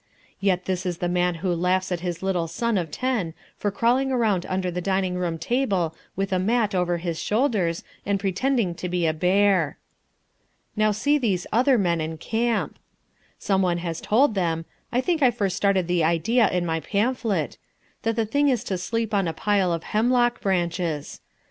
Yet this is the man who laughs at his little son of ten for crawling round under the dining room table with a mat over his shoulders, and pretending to be a bear. Now see these other men in camp. Someone has told them I think I first started the idea in my pamphlet that the thing is to sleep on a pile of hemlock branches.